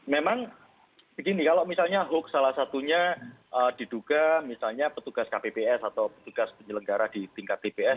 memang begini kalau misalnya hoax salah satunya diduga misalnya petugas kpps atau petugas penyelenggara di tingkat tps